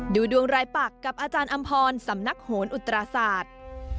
ดูดวงรายปักกับอาจารย์อำพรสำนักโหนอุตราศาสตร์